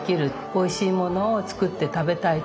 おいしいものを作って食べたいと。